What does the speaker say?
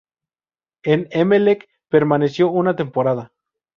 En Emelec permaneció una temporada.